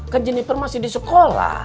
kan jeniper masih di sekolah